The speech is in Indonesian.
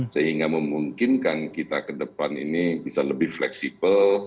sehingga memungkinkan kita ke depan ini bisa lebih fleksibel